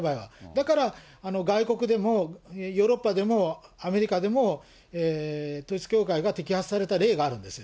だから、外国でもヨーロッパでも、アメリカでも、統一教会が摘発された例があるんです。